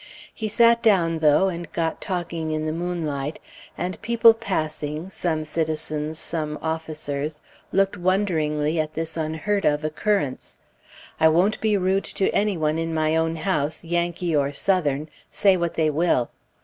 He sat down, though, and got talking in the moonlight, and people passing, some citizens, some officers, looked wonderingly at this unheard of occurrence. I won't be rude to any one in my own house, Yankee or Southern, say what they will.